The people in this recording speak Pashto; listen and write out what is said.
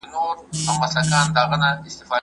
محیط مو د خپلو موخو لپاره وکاروئ.